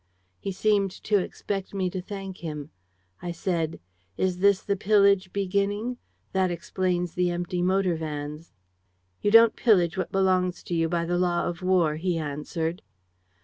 "He seemed to expect me to thank him. I said: "'Is this the pillage beginning? That explains the empty motor vans.' "'You don't pillage what belongs to you by the law of war,' he answered.